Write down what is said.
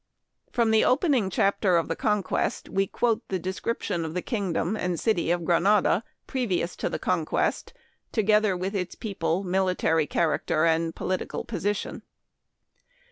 From the opening chapter of the "Conquest" we quote the description of the kingdom and city of Granada previous to the conquest, to gether with its people, military character and political position.